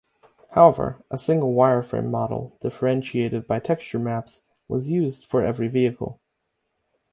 However, a single wire-frame model, differentiated by texture maps, was used for every vehicle.